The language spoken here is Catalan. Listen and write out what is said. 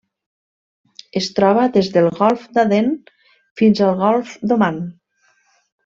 Es troba des del golf d'Aden fins al golf d'Oman.